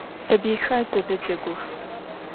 Sabıyxer zedecegux.